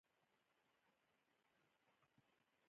جگر د بدن کیمیاوي فابریکه ده.